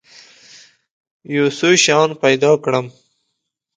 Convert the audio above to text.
یو څو شیان پیدا کړم.